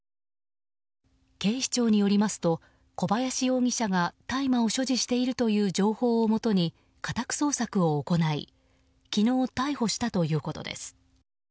警視庁によりますと小林容疑者が大麻を所持しているという情報をもとに、家宅捜索を行い昨日、逮捕したということです。